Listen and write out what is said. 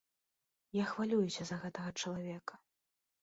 Я хвалююся за гэтага чалавека.